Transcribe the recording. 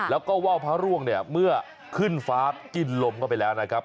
แล้วก็ว่าวพระร่วงเนี่ยเมื่อขึ้นฟ้ากินลมเข้าไปแล้วนะครับ